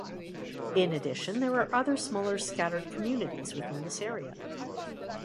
In addition there are other smaller scattered communities within this area.